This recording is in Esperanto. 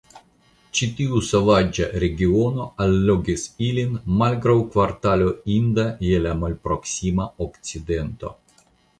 Ĉi tiu sovaĝa regiono allogis ilin malgraŭ kvartalo inda je la Malproksima Okcidento.